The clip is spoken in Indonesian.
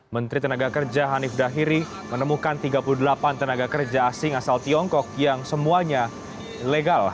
menteri tenaga kerja hanif dahiri menemukan tiga puluh delapan tenaga kerja asing asal tiongkok yang semuanya legal